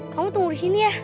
kamu tunggu disini ya